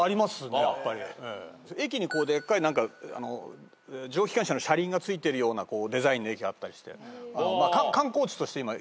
駅にこうでっかい何か蒸気機関車の車輪がついてるようなデザインの駅があったりして。